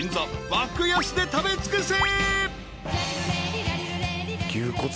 爆安で食べ尽くせ］